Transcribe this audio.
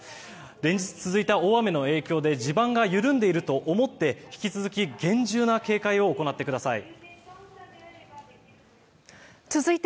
連日続いた大雨の影響で地盤が緩んでいると思って引き続き厳重な警戒を行ってください。